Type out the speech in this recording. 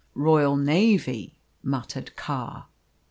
"Royal Navy," muttered Carr.